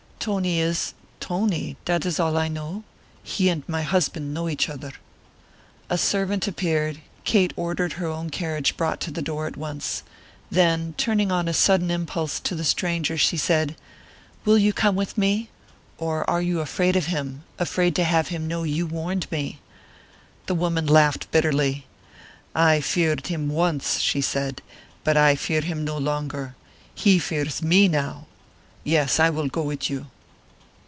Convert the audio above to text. "Tony is Tony; that is all I know. He and my husband know each other." A servant appeared; Kate ordered her own carriage brought to the door at once. Then, turning on a sudden impulse to the stranger, she said, "Will you come with me? Or are you afraid of him afraid to have him know you warned me?" The woman laughed bitterly. "I feared him once," she said; "but I fear him no longer; he fears me now. Yes, I will go with you."